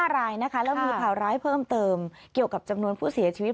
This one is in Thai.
๑๕๕รายและผ่านร้ายเพิ่มเติมเกี่ยวกับจำนวนผู้เสียชีวิต